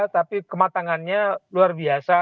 tapi kematangannya luar biasa